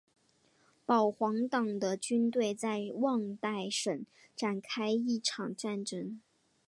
保皇党的军队在旺代省展开一场战争。